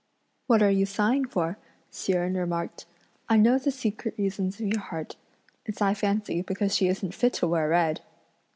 "What are you sighing for?" Hsi Jen remarked. "I know the secret reasons of your heart; it's I fancy because she isn't fit to wear red!"